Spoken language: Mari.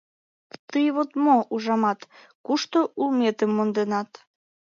— Тый вот мо, ужамат, кушто улметым монденат.